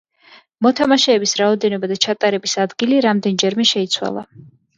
მოთამაშეების რაოდენობა და ჩატარების ადგილი რამდენჯერმე შეიცვალა.